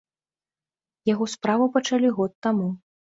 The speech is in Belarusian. Яго справу пачалі год таму.